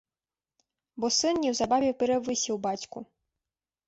Бо сын неўзабаве перавысіў бацьку.